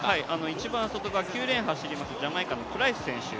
一番外側、９レーンを走りますジャマイカのプライス選手。